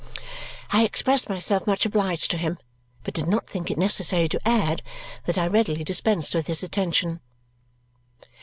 I expressed myself much obliged to him, but did not think it necessary to add that I readily dispensed with this attention.